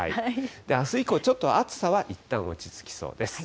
あす以降、ちょっと暑さはいったん落ち着きそうです。